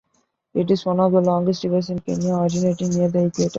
It is one of the longest rivers in Kenya, originating near the equator.